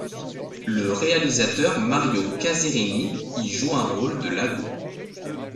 Le réalisateur Mario Caserini y joue le rôle de Iago.